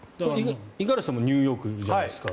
五十嵐さんもニューヨークじゃないですか。